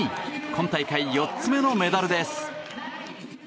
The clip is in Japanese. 今大会４つ目のメダルです。